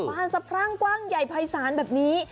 บานสะพรั่งกว้างใหญ่ภายศาลแบบนี้